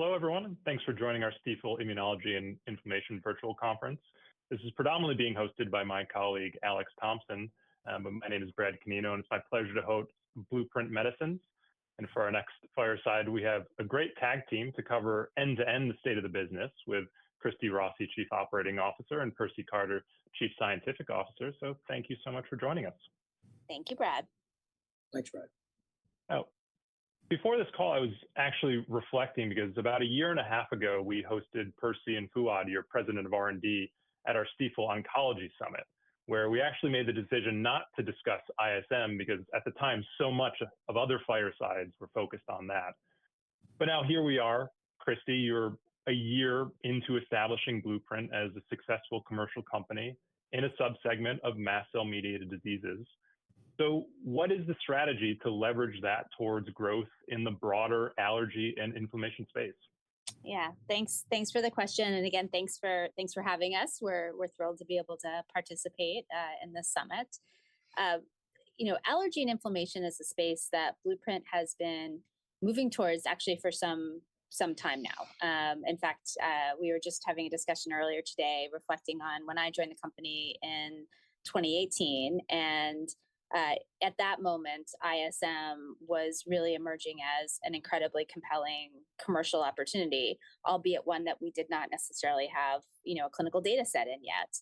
Hello, everyone, and thanks for joining our Stifel Immunology and Inflammation Virtual Conference. This is predominantly being hosted by my colleague, Alex Thompson, but my name is Brad Canino, and it's my pleasure to host Blueprint Medicines, and for our next fireside, we have a great tag team to cover end-to-end the state of the business with Christy Rossi, Chief Operating Officer, and Percy Carter, Chief Scientific Officer, so thank you so much for joining us. Thank you, Brad. Thanks, Brad. Now, before this call, I was actually reflecting because about a year and a half ago, we hosted Percy and Fouad, your President of R&D, at our Stifel Oncology Summit, where we actually made the decision not to discuss ISM, because at the time, so much of other firesides were focused on that. But now here we are. Christy, you're a year into establishing Blueprint as a successful commercial company in a subsegment of mast cell-mediated diseases. So what is the strategy to leverage that towards growth in the broader allergy and inflammation space? Yeah, thanks. Thanks for the question, and again, thanks for having us. We're thrilled to be able to participate in this summit. You know, allergy and inflammation is a space that Blueprint has been moving towards actually for some time now. In fact, we were just having a discussion earlier today reflecting on when I joined the company in 2018, and at that moment, ISM was really emerging as an incredibly compelling commercial opportunity, albeit one that we did not necessarily have, you know, a clinical data set in yet,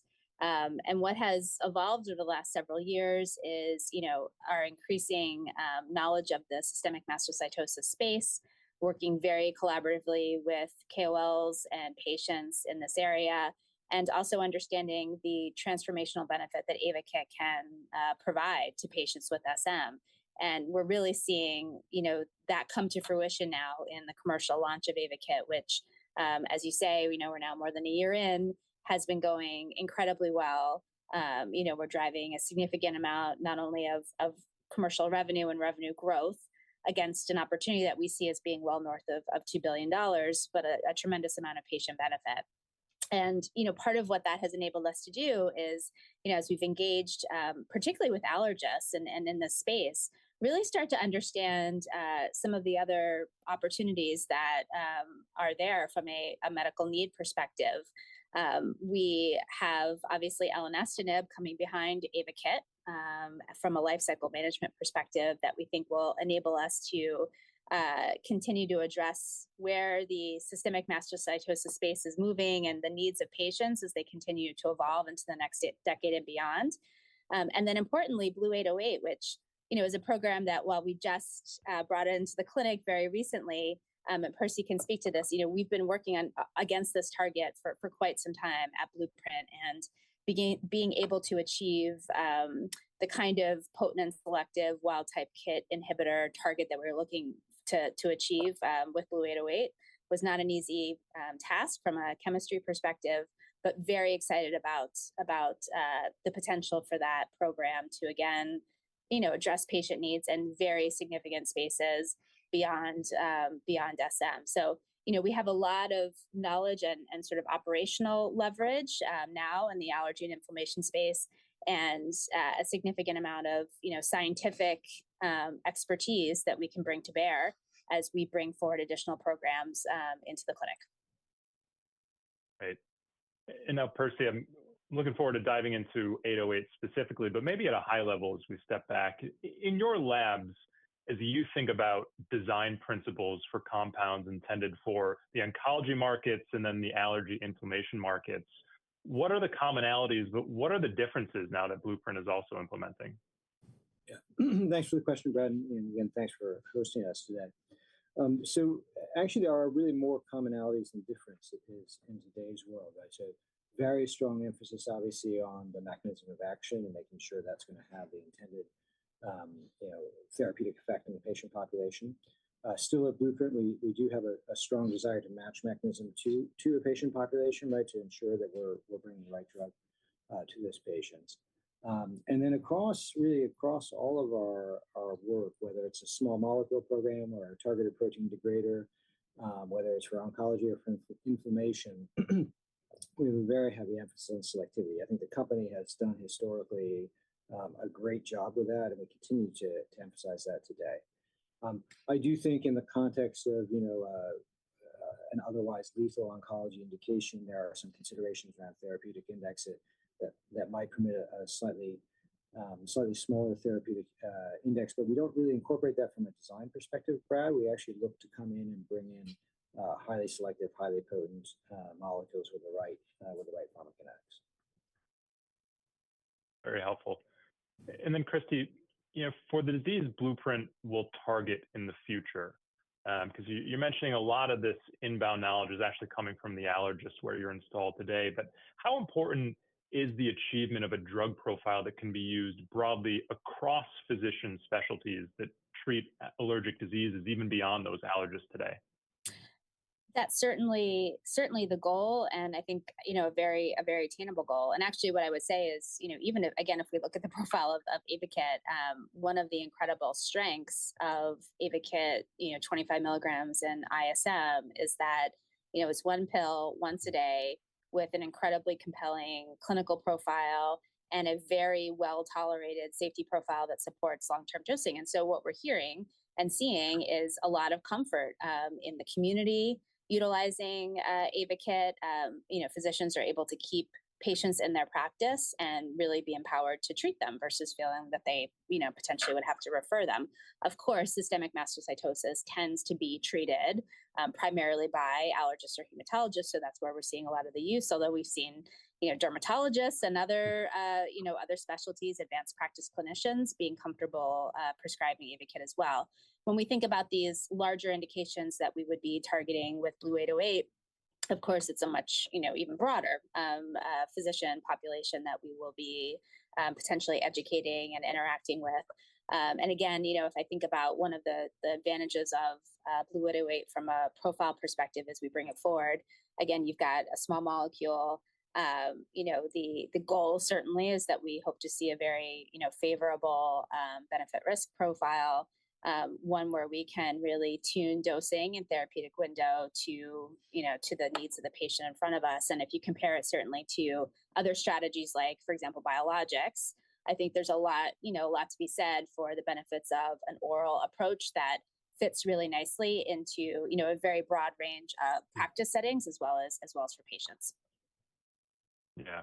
and what has evolved over the last several years is, you know, our increasing knowledge of the systemic mastocytosis space, working very collaboratively with KOLs and patients in this area, and also understanding the transformational benefit that Ayvakit can provide to patients with SM. We're really seeing, you know, that come to fruition now in the commercial launch of Ayvakit, which, as you say, we know we're now more than a year in, has been going incredibly well. You know, we're driving a significant amount not only of commercial revenue and revenue growth against an opportunity that we see as being well north of $2 billion, but a tremendous amount of patient benefit. You know, part of what that has enabled us to do is, you know, as we've engaged, particularly with allergists and in this space, really start to understand some of the other opportunities that are there from a medical need perspective. We have, obviously, elinestinib coming behind Ayvakit, from a lifecycle management perspective, that we think will enable us to continue to address where the systemic mastocytosis space is moving and the needs of patients as they continue to evolve into the next decade and beyond. And then importantly, BLU-808, which, you know, is a program that, while we just brought into the clinic very recently, and Percy can speak to this, you know, we've been working on against this target for quite some time at Blueprint. Being able to achieve the kind of potent and selective wild-type KIT inhibitor target that we're looking to achieve with BLU-808 was not an easy task from a chemistry perspective, but very excited about the potential for that program to, again, you know, address patient needs in very significant spaces beyond SM. You know, we have a lot of knowledge and sort of operational leverage now in the allergy and inflammation space, and a significant amount of, you know, scientific expertise that we can bring to bear as we bring forward additional programs into the clinic. Right. And now, Percy, I'm looking forward to diving into BLU-808 specifically, but maybe at a high level, as we step back, in your labs, as you think about design principles for compounds intended for the oncology markets and then the allergy inflammation markets, what are the commonalities, but what are the differences now that Blueprint is also implementing? Yeah. Thanks for the question, Brad, and thanks for hosting us today. So actually, there are really more commonalities than differences in today's world, right? So very strong emphasis, obviously, on the mechanism of action and making sure that's gonna have the intended, you know, therapeutic effect on the patient population. Still at Blueprint, we do have a strong desire to match mechanism to a patient population, right? To ensure that we're bringing the right drug to those patients. And then across, really across all of our work, whether it's a small molecule program or a targeted protein degrader, whether it's for oncology or for inflammation, we have a very heavy emphasis on selectivity. I think the company has done historically a great job with that, and we continue to emphasize that today. I do think in the context of, you know, an otherwise lethal oncology indication, there are some considerations around therapeutic index that might permit a slightly smaller therapeutic index, but we don't really incorporate that from a design perspective, Brad. We actually look to come in and bring in highly selective, highly potent molecules with the right pharmacokinetics. Very helpful. And then, Christy, you know, for the disease Blueprint will target in the future, 'cause you, you're mentioning a lot of this inbound knowledge is actually coming from the allergists where you're installed today, but how important is the achievement of a drug profile that can be used broadly across physician specialties that treat allergic diseases, even beyond those allergists today? That's certainly, certainly the goal, and I think, you know, a very, a very attainable goal. And actually, what I would say is, you know, even if, again, if we look at the profile of Ayvakit, one of the incredible strengths of Ayvakit, you know, 25 milligrams in ISM is that you know, it's one pill once a day with an incredibly compelling clinical profile and a very well-tolerated safety profile that supports long-term dosing. And so what we're hearing and seeing is a lot of comfort in the community utilizing Ayvakit. You know, physicians are able to keep patients in their practice and really be empowered to treat them versus feeling that they, you know, potentially would have to refer them. Of course, systemic mastocytosis tends to be treated primarily by allergists or hematologists, so that's where we're seeing a lot of the use. Although we've seen, you know, dermatologists and other, you know, specialties, advanced practice clinicians being comfortable prescribing Ayvakit as well. When we think about these larger indications that we would be targeting with BLU-808, of course, it's a much, you know, even broader physician population that we will be potentially educating and interacting with. And again, you know, if I think about one of the advantages of BLU-808 from a profile perspective as we bring it forward, again, you've got a small molecule. You know, the goal certainly is that we hope to see a very, you know, favorable benefit-risk profile, one where we can really tune dosing and therapeutic window to, you know, to the needs of the patient in front of us. And if you compare it certainly to other strategies like, for example, biologics, I think there's a lot, you know, a lot to be said for the benefits of an oral approach that fits really nicely into, you know, a very broad range of practice settings as well as for patients. Yeah.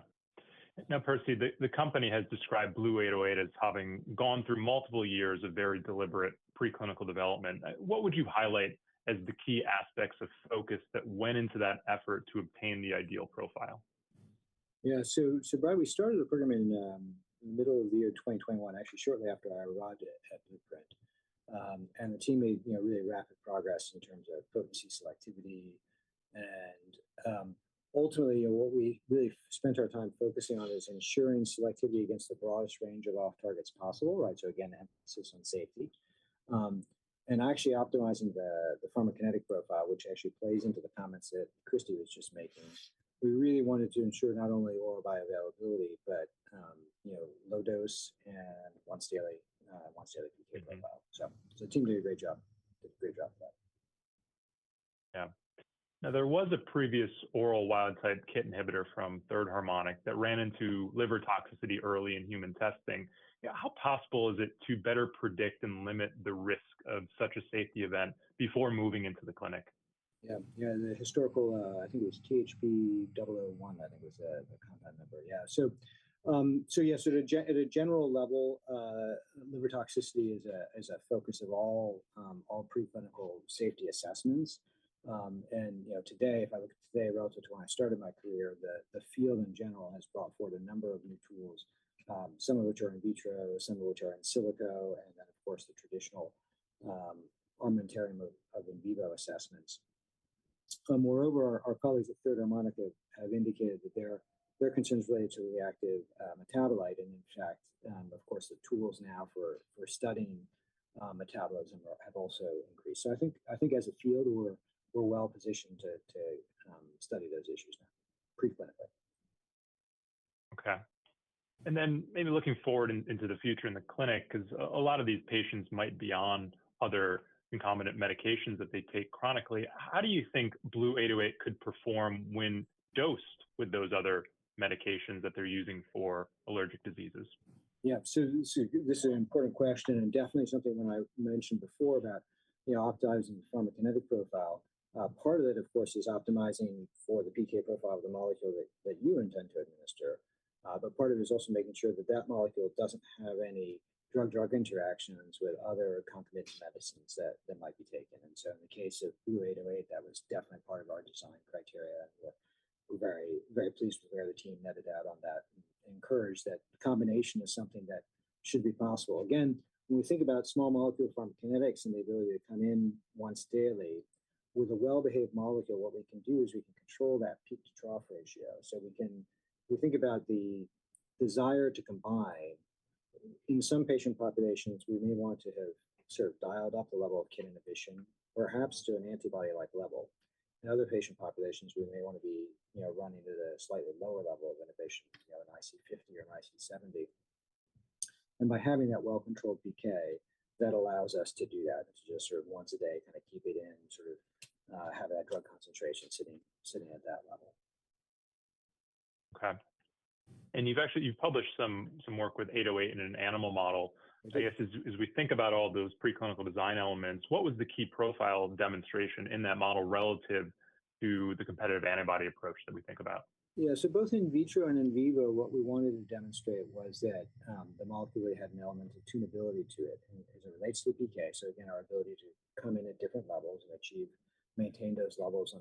Now, Percy, the company has described BLU-808 as having gone through multiple years of very deliberate preclinical development. What would you highlight as the key aspects of focus that went into that effort to obtain the ideal profile? Yeah. So, Brad, we started the program in the middle of the year 2021, actually shortly after I arrived at Blueprint. And the team made, you know, really rapid progress in terms of potency, selectivity. And ultimately, what we really spent our time focusing on is ensuring selectivity against the broadest range of off-targets possible, right? So again, emphasis on safety. And actually optimizing the pharmacokinetic profile, which actually plays into the comments that Christy was just making. We really wanted to ensure not only oral bioavailability, but you know, low dose and once daily PK profile. Mm-hmm. So the team did a great job. Did a great job with that. Yeah. Now, there was a previous oral wild-type KIT inhibitor from Third Harmonic that ran into liver toxicity early in human testing. How possible is it to better predict and limit the risk of such a safety event before moving into the clinic? Yeah. Yeah, the historical, I think it was THB-001, I think was the compound number. Yeah. So yes, at a general level, liver toxicity is a focus of all preclinical safety assessments. And you know, today, if I look today relative to when I started my career, the field in general has brought forward a number of new tools, some of which are in vitro, some of which are in silico, and then, of course, the traditional armamentarium of in vivo assessments. Moreover, our colleagues at Third Harmonic have indicated that their concerns relate to reactive metabolite. In fact, of course, the tools now for studying metabolism have also increased. So I think as a field, we're well positioned to study those issues now preclinically. Okay. And then maybe looking forward into the future in the clinic, 'cause a lot of these patients might be on other concomitant medications that they take chronically. How do you think BLU-808 could perform when dosed with those other medications that they're using for allergic diseases? Yeah. So this is an important question, and definitely something when I mentioned before about, you know, optimizing the pharmacokinetic profile. Part of it, of course, is optimizing for the PK profile of the molecule that you intend to administer. But part of it is also making sure that that molecule doesn't have any drug-drug interactions with other concomitant medicines that might be taken. And so in the case of BLU-808, that was definitely part of our design criteria, and we're very, very pleased with where the team netted out on that and encouraged that the combination is something that should be possible. Again, when we think about small molecule pharmacokinetics and the ability to come in once daily with a well-behaved molecule, what we can do is we can control that peak to trough ratio. So we can... We think about the desire to combine. In some patient populations, we may want to have sort of dialed up the level of KIT inhibition, perhaps to an antibody-like level. In other patient populations, we may wanna be, you know, running at a slightly lower level of inhibition, you know, an IC50 or an IC70. And by having that well-controlled PK, that allows us to do that, just sort of once a day, kinda keep it in, sort of, have that drug concentration sitting at that level. Okay. And you've actually published some work with 808 in an animal model. Yes. So I guess as we think about all those preclinical design elements, what was the key profile demonstration in that model relative to the competitive antibody approach that we think about? Yeah, so both in vitro and in vivo, what we wanted to demonstrate was that, the molecule would have an element of tunability to it as it relates to PK, so again, our ability to come in at different levels and achieve and maintain those levels on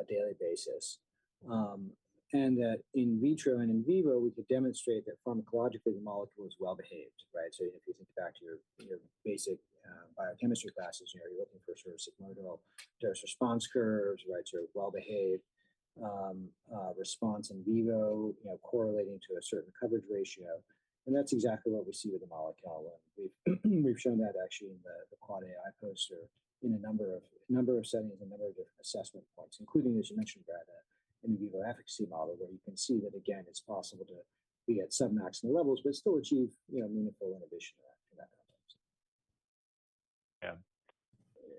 a daily basis, and that in vitro and in vivo, we could demonstrate that pharmacologically, the molecule was well-behaved, right, so if you think back to your basic biochemistry classes, you know, you're looking for sort of sigmoidal dose-response curves, right, so well-behaved response in vivo, you know, correlating to a certain coverage ratio. That's exactly what we see with the molecule, and we've shown that actually in the Quad AI poster in a number of settings and number of different assessment points, including, as you mentioned, Brad, an in vivo efficacy model, where you can see that again, it's possible to be at sub-maximum levels, but still achieve, you know, meaningful inhibition of that.... Yeah.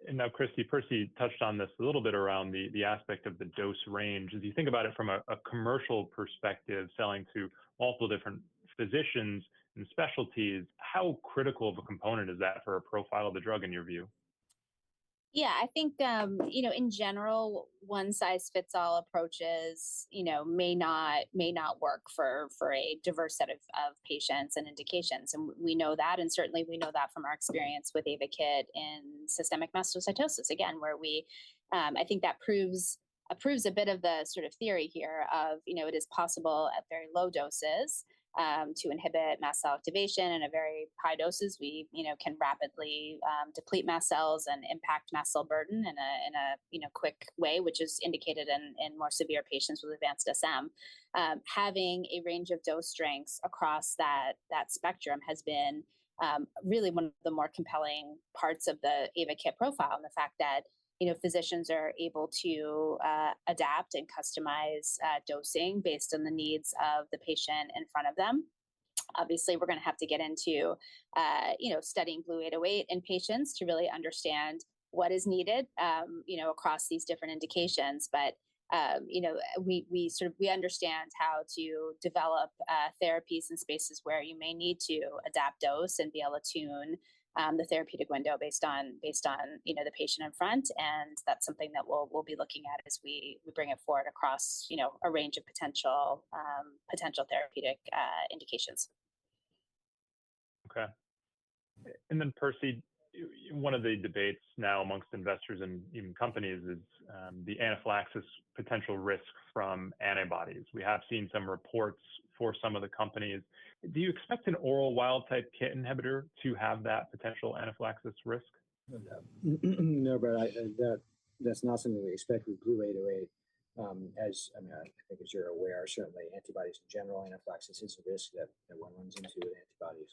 And now, Christy, Percy touched on this a little bit around the aspect of the dose range. As you think about it from a commercial perspective, selling to multiple different physicians and specialties, how critical of a component is that for a profile of the drug, in your view? Yeah, I think, you know, in general, one-size-fits-all approaches, you know, may not work for a diverse set of patients and indications. And we know that, and certainly we know that from our experience with Ayvakit in systemic mastocytosis. Again, where we, I think that proves a bit of the sort of theory here of, you know, it is possible at very low doses to inhibit mast cell activation, and at very high doses, we, you know, can rapidly deplete mast cells and impact mast cell burden in a quick way, which is indicated in more severe patients with advanced SM. Having a range of dose strengths across that spectrum has been really one of the more compelling parts of the Ayvakit profile and the fact that, you know, physicians are able to adapt and customize dosing based on the needs of the patient in front of them. Obviously, we're gonna have to get into, you know, studying BLU-808 in patients to really understand what is needed, you know, across these different indications. But, you know, we sort of... We understand how to develop therapies in spaces where you may need to adapt dose and be able to tune the therapeutic window based on, you know, the patient in front. And that's something that we'll be looking at as we bring it forward across, you know, a range of potential therapeutic indications. Okay. And then, Percy, one of the debates now among investors and even companies is the anaphylaxis potential risks from antibodies. We have seen some reports for some of the companies. Do you expect an oral wild-type KIT inhibitor to have that potential anaphylaxis risk? No, but I, that's not something we expect with BLU-808. I mean, I think as you're aware, certainly antibodies in general, anaphylaxis is a risk that everyone runs into with antibodies.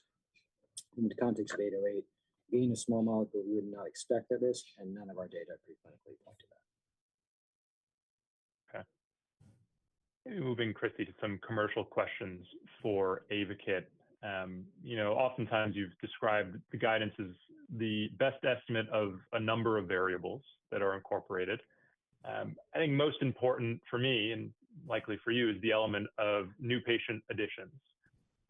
In the context of 808, being a small molecule, we would not expect that risk, and none of our data preclinically point to that. Okay. Maybe moving, Christy, to some commercial questions for Ayvakit. You know, oftentimes you've described the guidance as the best estimate of a number of variables that are incorporated. I think most important for me, and likely for you, is the element of new patient additions.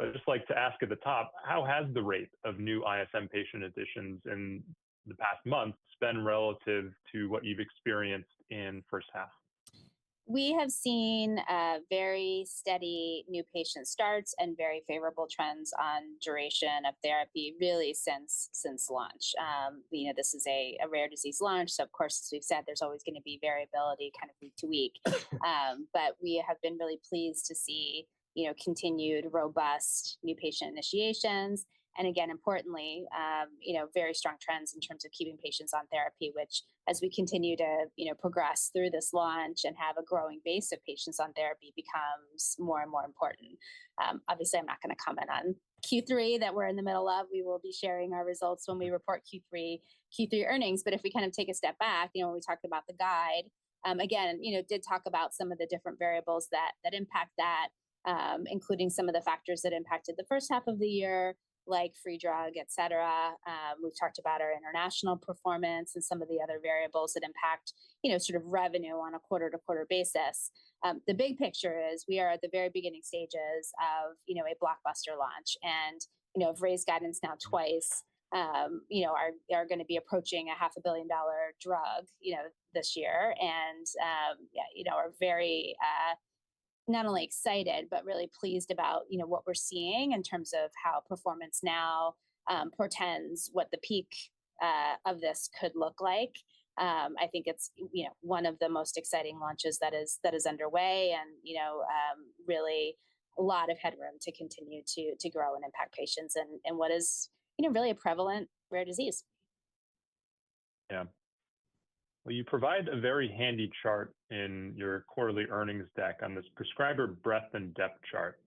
I'd just like to ask at the top, how has the rate of new ISM patient additions in the past months been relative to what you've experienced in first half? We have seen very steady new patient starts and very favorable trends on duration of therapy really since launch. You know, this is a rare disease launch, so of course, as we've said, there's always gonna be variability kind of week to week, but we have been really pleased to see, you know, continued robust new patient initiations and again, importantly, you know, very strong trends in terms of keeping patients on therapy, which, as we continue to, you know, progress through this launch and have a growing base of patients on therapy, becomes more and more important. Obviously, I'm not gonna comment on Q3 that we're in the middle of. We will be sharing our results when we report Q3 earnings. But if we kind of take a step back, you know, when we talked about the guide, again, you know, did talk about some of the different variables that impact that, including some of the factors that impacted the first half of the year, like free drug, et cetera. We've talked about our international performance and some of the other variables that impact, you know, sort of revenue on a quarter-to-quarter basis. The big picture is we are at the very beginning stages of, you know, a blockbuster launch and, you know, we've raised guidance now twice. You know, we are gonna be approaching a $500 million drug, you know, this year. And, yeah, you know, are very not only excited, but really pleased about, you know, what we're seeing in terms of how performance now portends what the peak of this could look like. I think it's, you know, one of the most exciting launches that is underway and, you know, really a lot of headroom to continue to grow and impact patients in what is, you know, really a prevalent rare disease. Yeah. Well, you provide a very handy chart in your quarterly earnings deck on this prescriber breadth and depth chart,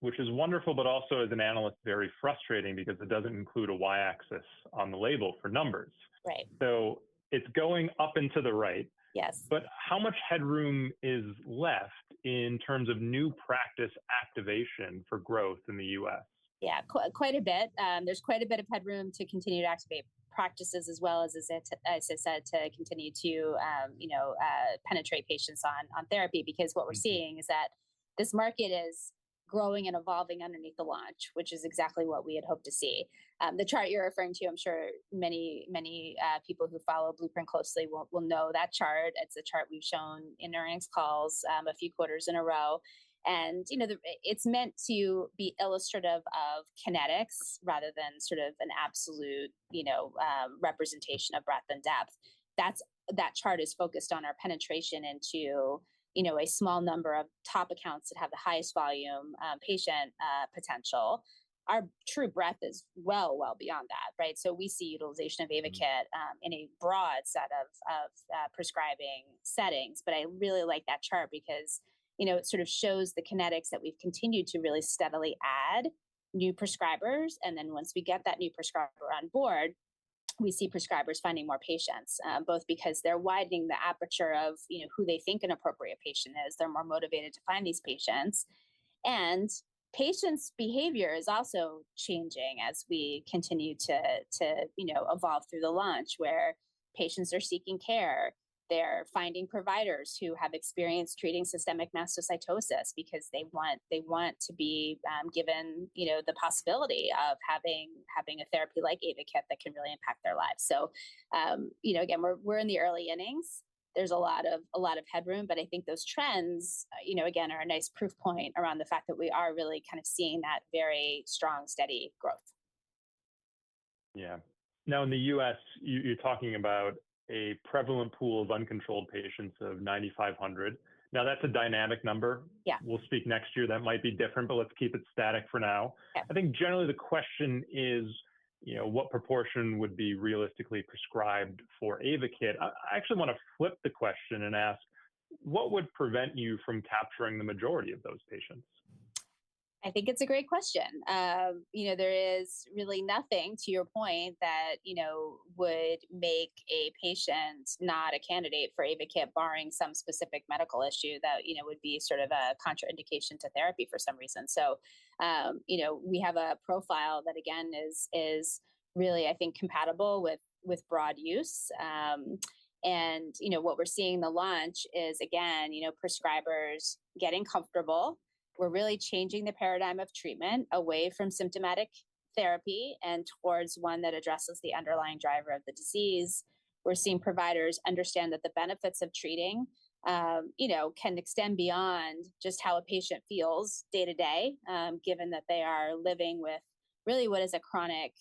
which is wonderful, but also, as an analyst, very frustrating because it doesn't include a y-axis on the label for numbers. Right. So it's going up and to the right. Yes. But how much headroom is left in terms of new practice activation for growth in the U.S.? Yeah, quite a bit. There's quite a bit of headroom to continue to activate practices as well as, as I said, to continue to, you know, penetrate patients on therapy. Because what we're seeing is that this market is growing and evolving underneath the launch, which is exactly what we had hoped to see. The chart you're referring to, I'm sure many people who follow Blueprint closely will know that chart. It's a chart we've shown in earnings calls, a few quarters in a row. And, you know, it's meant to be illustrative of kinetics rather than sort of an absolute, you know, representation of breadth and depth. That chart is focused on our penetration into, you know, a small number of top accounts that have the highest volume, patient potential. Our true breadth is well, well beyond that, right? So we see utilization of Ayvakit in a broad set of prescribing settings. But I really like that chart because, you know, it sort of shows the kinetics that we've continued to really steadily add new prescribers. And then once we get that new prescriber on board, we see prescribers finding more patients both because they're widening the aperture of, you know, who they think an appropriate patient is. They're more motivated to find these patients. And patients' behavior is also changing as we continue to, you know, evolve through the launch, where patients are seeking care. They're finding providers who have experience treating systemic mastocytosis because they want to be given, you know, the possibility of having a therapy like Ayvakit that can really impact their lives. You know, again, we're in the early innings. There's a lot of headroom, but I think those trends, you know, again, are a nice proof point around the fact that we are really kind of seeing that very strong, steady growth. Yeah. Now, in the U.S., you, you're talking about a prevalent pool of uncontrolled patients of 9,500. Now, that's a dynamic number. Yeah. We'll speak next year. That might be different, but let's keep it static for now. Yeah. I think generally the question is, you know, what proportion would be realistically prescribed for Ayvakit? I actually want to flip the question and ask, what would prevent you from capturing the majority of those patients? I think it's a great question. You know, there is really nothing, to your point, that, you know, would make a patient not a candidate for Ayvakit, barring some specific medical issue that, you know, would be sort of a contraindication to therapy for some reason. So, you know, we have a profile that, again, is really, I think, compatible with broad use. And, you know, what we're seeing in the launch is, again, you know, prescribers getting comfortable. We're really changing the paradigm of treatment away from symptomatic therapy and towards one that addresses the underlying driver of the disease. We're seeing providers understand that the benefits of treating, you know, can extend beyond just how a patient feels day-to-day, given that they are living with really what is a chronic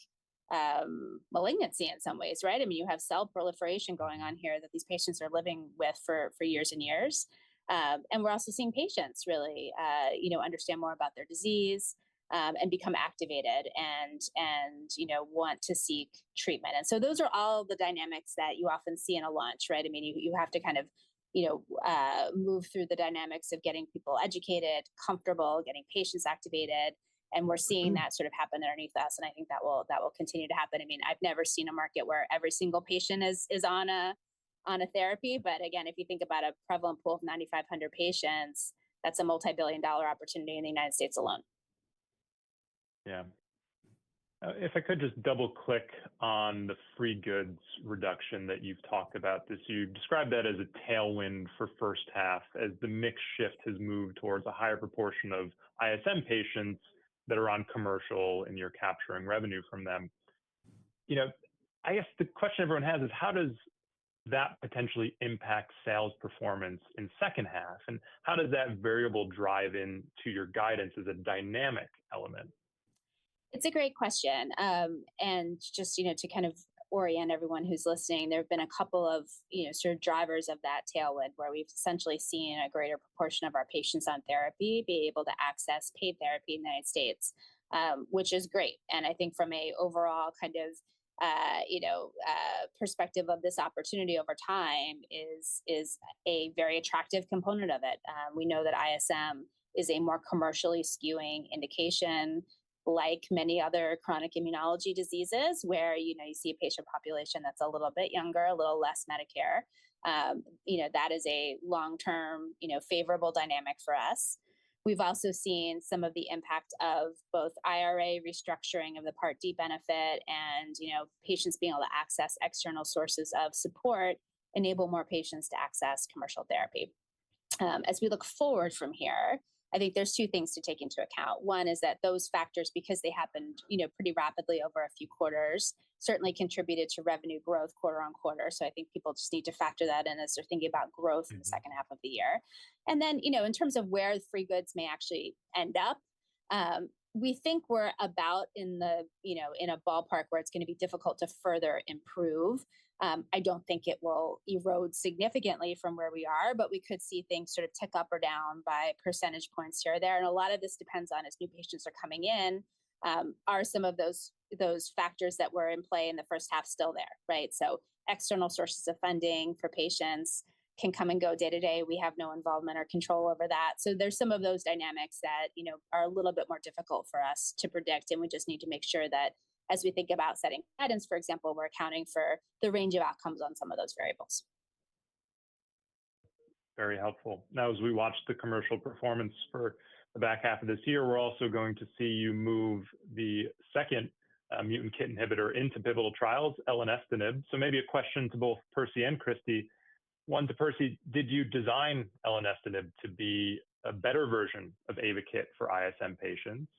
malignancy in some ways, right? I mean, you have cell proliferation going on here that these patients are living with for years and years. And we're also seeing patients really you know understand more about their disease and become activated and you know want to seek treatment. And so those are all the dynamics that you often see in a launch, right? I mean, you have to kind of you know move through the dynamics of getting people educated, comfortable, getting patients activated, and we're seeing- Mm-hmm... that sort of happen underneath us, and I think that will continue to happen. I mean, I've never seen a market where every single patient is on a therapy. But again, if you think about a prevalent pool of 9,500 patients, that's a multibillion-dollar opportunity in the U.S. alone. Yeah. If I could just double-click on the free goods reduction that you've talked about. This, you described that as a tailwind for the first half, as the mix shift has moved towards a higher proportion of ISM patients that are on commercial, and you're capturing revenue from them. You know, I guess the question everyone has is: how does that potentially impact sales performance in the second half, and how does that variable drive in to your guidance as a dynamic element? It's a great question. And just, you know, to kind of orient everyone who's listening, there have been a couple of, you know, sort of drivers of that tailwind, where we've essentially seen a greater proportion of our patients on therapy be able to access paid therapy in the U.S., which is great, and I think from a overall kind of, you know, perspective of this opportunity over time is a very attractive component of it. We know that ISM is a more commercially skewing indication, like many other chronic immunology diseases, where, you know, you see a patient population that's a little bit younger, a little less Medicare. You know, that is a long-term, you know, favorable dynamic for us. We've also seen some of the impact of both IRA restructuring of the Part D benefit and, you know, patients being able to access external sources of support, enable more patients to access commercial therapy. As we look forward from here, I think there's two things to take into account. One is that those factors, because they happened, you know, pretty rapidly over a few quarters, certainly contributed to revenue growth quarter on quarter. So I think people just need to factor that in as they're thinking about growth. Mm-hmm... in the second half of the year. And then, you know, in terms of where the free goods may actually end up, we think we're about in the, you know, in a ballpark where it's gonna be difficult to further improve. I don't think it will erode significantly from where we are, but we could see things sort of tick up or down by percentage points here or there. And a lot of this depends on, as new patients are coming in, are some of those factors that were in play in the first half still there, right? So external sources of funding for patients can come and go day to day. We have no involvement or control over that. So there's some of those dynamics that, you know, are a little bit more difficult for us to predict, and we just need to make sure that as we think about setting guidance, for example, we're accounting for the range of outcomes on some of those variables. Very helpful. Now, as we watch the commercial performance for the back half of this year, we're also going to see you move the second mutant KIT inhibitor into pivotal trials, elinestinib. So maybe a question to both Percy and Christy. One to Percy: did you design elinestinib to be a better version of Ayvakit for ISM patients?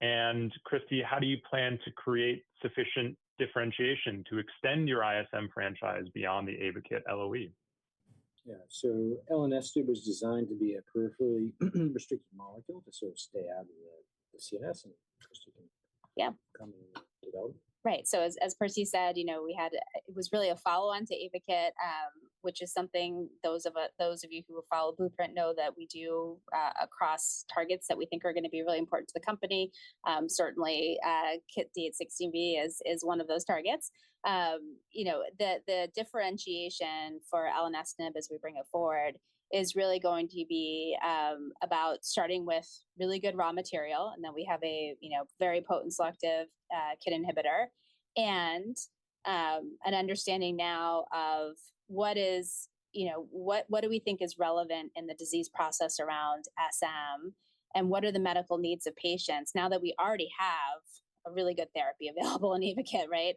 And Christy: how do you plan to create sufficient differentiation to extend your ISM franchise beyond the Ayvakit LOE? Yeah. So Elinestinib was designed to be a peripherally restricted molecule to sort of stay out of the CNS, and... Yeah. Right. So as Percy said, you know, we had, it was really a follow-on to Ayvakit, which is something those of us, those of you who follow Blueprint know that we do, across targets that we think are going to be really important to the company. Certainly, KIT D816V is one of those targets. You know, the differentiation for elinestinib as we bring it forward, is really going to be, about starting with really good raw material, and then we have a, you know, very potent, selective, KIT inhibitor. And, an understanding now of what is, you know, what do we think is relevant in the disease process around SM? And what are the medical needs of patients now that we already have a really good therapy available in Ayvakit, right?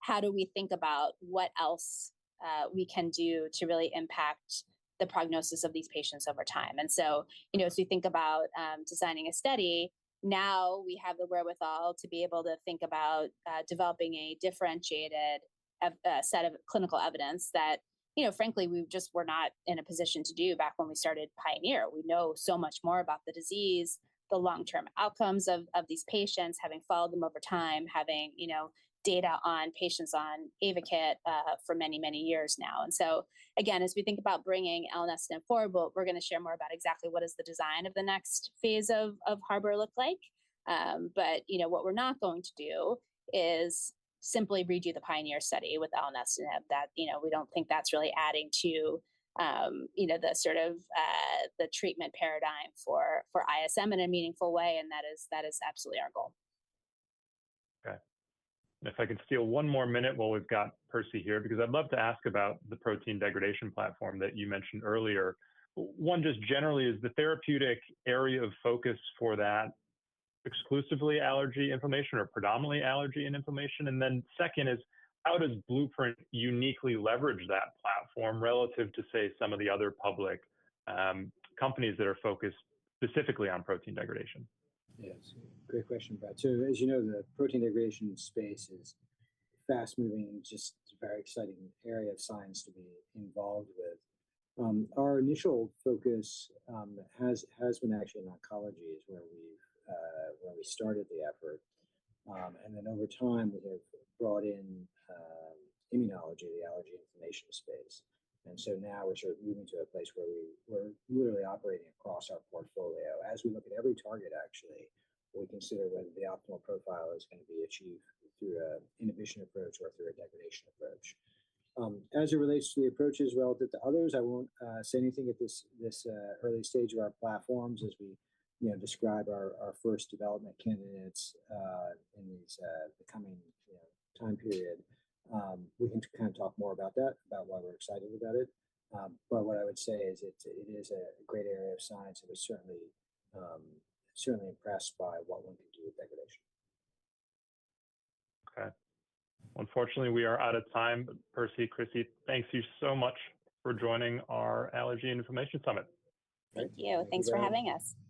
How do we think about what else we can do to really impact the prognosis of these patients over time? And so, you know, as we think about designing a study, now we have the wherewithal to be able to think about developing a differentiated set of clinical evidence that, you know, frankly, we just were not in a position to do back when we started Pioneer. We know so much more about the disease, the long-term outcomes of these patients, having followed them over time, having, you know, data on patients on Ayvakit for many, many years now. And so, again, as we think about bringing elinestinib forward, we're gonna share more about exactly what is the design of the next phase of Harbor look like. You know, what we're not going to do is simply redo the PIONEER study with elinestinib. You know, we don't think that's really adding to, you know, the sort of, the treatment paradigm for ISM in a meaningful way, and that is absolutely our goal. Okay. And if I could steal one more minute while we've got Percy here, because I'd love to ask about the protein degradation platform that you mentioned earlier. One, just generally, is the therapeutic area of focus for that exclusively allergy, inflammation or predominantly allergy and inflammation? And then second is, how does Blueprint uniquely leverage that platform relative to, say, some of the other public companies that are focused specifically on protein degradation? Yes, great question, Brad. So as you know, the protein degradation space is fast-moving, just very exciting area of science to be involved with. Our initial focus has been actually in oncology, is where we started the effort. And then over time, we have brought in immunology, the allergy inflammation space. And so now we're sort of moving to a place where we're really operating across our portfolio. As we look at every target, actually, we consider whether the optimal profile is going to be achieved through a inhibition approach or through a degradation approach. As it relates to the approaches relative to others, I won't say anything at this early stage of our platforms. As we, you know, describe our first development candidates in this coming, you know, time period. We can kind of talk more about that, about why we're excited about it, but what I would say is it's, it is a great area of science, and we're certainly, certainly impressed by what one can do with degradation. Okay. Unfortunately, we are out of time. But Percy, Christy, thank you so much for joining our Allergy and Inflammation Summit. Thank you. Thank you. Thanks for having us.